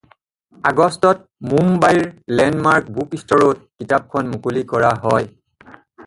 আগষ্টত মুম্বাইৰ লেণ্ডমাৰ্ক বুকষ্টৰ্ছত কিতাপখন মুকলি কৰা হয়।